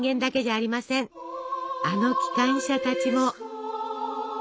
あの機関車たちも！